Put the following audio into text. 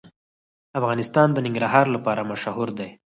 افغانستان د ننګرهار لپاره مشهور دی.